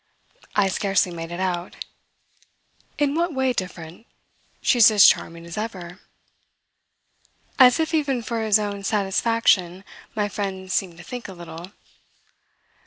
I scarcely made it out. "In what way different? She's as charming as ever." As if even for his own satisfaction my friend seemed to think a little.